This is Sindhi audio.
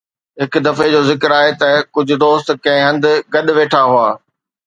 هڪ دفعي جو ذڪر آهي ته ڪجهه دوست ڪنهن هنڌ گڏ ويٺا هئا